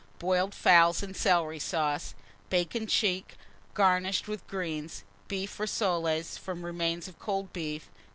Boiled fowls and celery sauce; bacon check, garnished with greens; beef rissoles, from remains of cold beef.